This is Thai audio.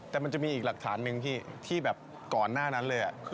แต่มันจะมีอีกหลักฐานหนึ่งพี่ที่แบบก่อนหน้านั้นเลย